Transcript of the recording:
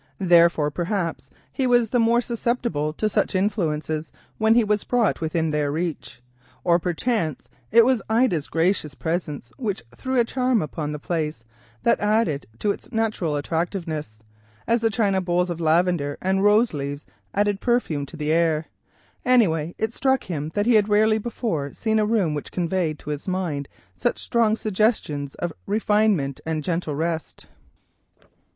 Therefore, perhaps, he was the more susceptible to such influences when he was brought within their reach. Or perchance it was Ida's gracious presence which threw a charm upon the place that added to its natural attractiveness, as the china bowls of lavender and rose leaves added perfume to the air. Anyhow, it struck him that he had rarely before seen a room which conveyed to his mind such strong suggestions of refinement and gentle rest.